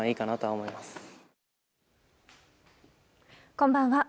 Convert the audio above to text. こんばんは。